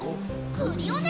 クリオネ！